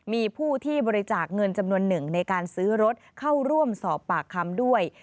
มีผู้ที่บริจาคเงินจำนวนหนึ่งในการซื้อรถเข้าร่วมสอบปากคำด้วย